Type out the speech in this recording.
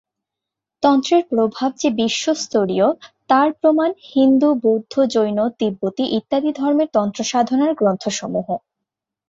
তন্ত্রের প্রভাব যে বিশ্বস্তরীয়, তার প্রমাণ হিন্দু, বৌদ্ধ, জৈন, তিব্বতি ইত্যাদি ধর্মের তন্ত্র-সাধনার গ্রন্থসমূহ।